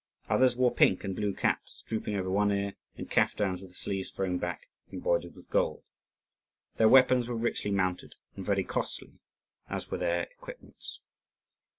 Others wore pink and blue caps, drooping over one ear, and caftans with the sleeves thrown back, embroidered with gold. Their weapons were richly mounted and very costly, as were their equipments.